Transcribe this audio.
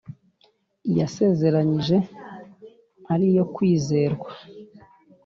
Iyasezeranije ari iyo kwizerwa